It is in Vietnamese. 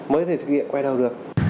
mới thể thực hiện quay đầu được